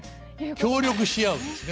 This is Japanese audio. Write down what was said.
協力し合うんですね